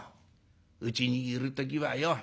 うちにいる時はよ